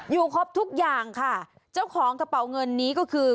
ครบทุกอย่างค่ะเจ้าของกระเป๋าเงินนี้ก็คือ